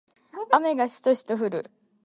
雨がしとしと降る